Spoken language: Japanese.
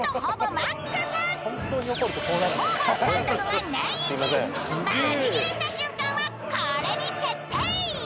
マジギレした瞬間はこれに決定